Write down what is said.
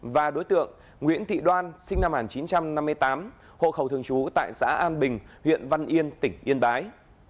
và đối tượng nguyễn thị đoan sinh năm một nghìn chín trăm năm mươi tám hộ khẩu thường trú tại xã an bình huyện văn yên tỉnh yên bái